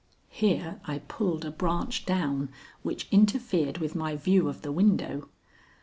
Here I pulled a branch down which interfered with my view of the window.